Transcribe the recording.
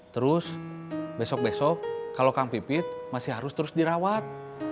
terus besok besok kalau kang pipit masih harus terus dirawat